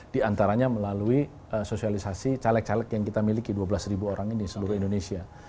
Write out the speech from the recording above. di antaranya melalui sosialisasi caleg caleg yang kita miliki dua belas orang ini seluruh indonesia